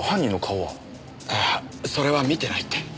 ああそれは見てないって。